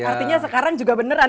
artinya sekarang juga beneran